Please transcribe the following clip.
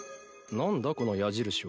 何だこの矢印は。